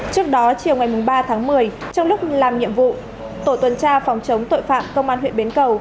trước đó chiều ngày ba tháng một mươi trong lúc làm nhiệm vụ tổ tuần tra phòng chống tội phạm công an huyện bến cầu